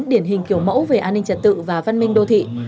điển hình kiểu mẫu về an ninh trật tự và văn minh đô thị